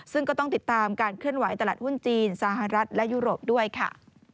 ซึ่งก็ต้องติดตามการเคลื่อนไหตลาดหุ้นจีนสหรัฐและยุโรปด้วยค่ะ